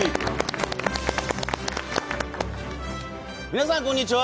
皆さん、こんにちは。